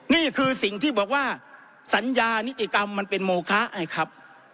นี่คือสิ่งที่บอกว่าสัญญานิติกรรมมันเป็นโมคะไอ้ครับ